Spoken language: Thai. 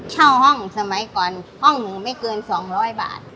เช่าห้องสมัยก่อนห้องหนูไม่เกิน๒๐๐บาท